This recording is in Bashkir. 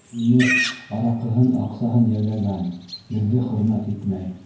Имеш, араҡыһын, аҡсаһын йәлләгән, беҙҙе хөрмәт итмәй.